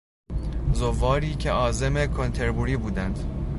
زواری که عازم کنتر بوری بودند